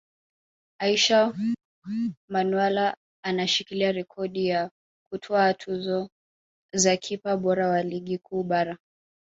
Aishi Manula anashikilia rekodi ya kutwaa tuzo za kipa bora wa Ligi Kuu Bara